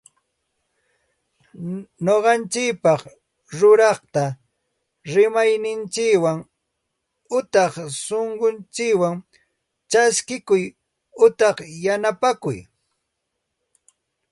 Ñuqanchikpaq ruraqta rimayninchikwan utaq sunqunchikwan chaskikuy utaq yanapakuy